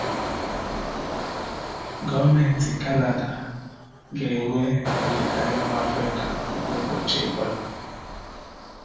Gọọmenti Canada ga-enye ndịda-anyanwụ Afrịka ọgwụ mgbochi ebola